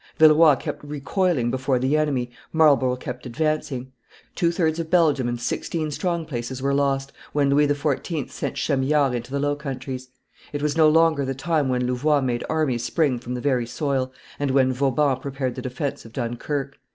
Villeroi kept recoiling before the enemy, Marlborough kept advancing; two thirds of Belgium and sixteen strong places were lost, when Louis XIV. sent Chamillard into the Low Countries; it was no longer the time when Louvois made armies spring from the very soil, and when Vauban prepared the defence of Dunkerque.